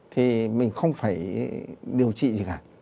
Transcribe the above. thì mình không phải điều trị gì cả